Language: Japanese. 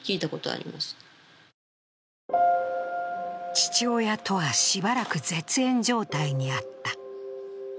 父親とはしばらく絶縁状態にあった。